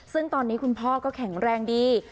ซึ่งตอนนี้คุณพ่อก็แข็งแรงดี